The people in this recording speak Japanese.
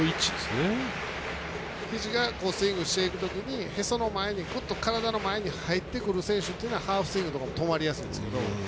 ひじがスイングしていくときにへその前、体の前に入ってくる選手というのはハーフスイングとかも止まりやすいんですけど。